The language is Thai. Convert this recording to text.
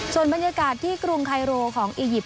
ส่วนบรรยากาศที่กรุงไคโรของอียิปต